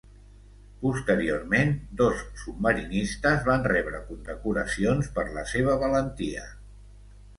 Posteriorment, dos submarinistes van rebre condecoracions per la seva valentia.